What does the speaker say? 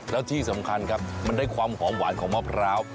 แล้วที่สำคัญครับมันได้ความหอมหวานของมะพร้าว